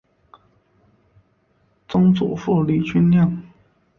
曾祖父李均亮。